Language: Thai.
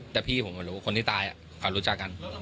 แต่พี่ผมก็รู้คนที่ตายเขารู้จักกัน